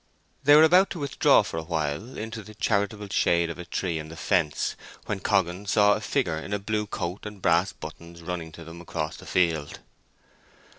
They were about to withdraw for a while into the charitable shade of a tree in the fence, when Coggan saw a figure in a blue coat and brass buttons running to them across the field.